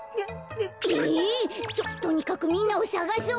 えっ！？ととにかくみんなをさがそう。